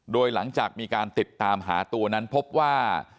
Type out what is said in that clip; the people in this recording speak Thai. โดยหลังจากมีการติดตามหาตัวนั้นพบว่า